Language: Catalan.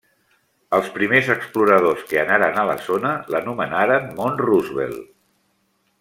Els primers exploradors que anaren a la zona l'anomenaren Mont Roosevelt.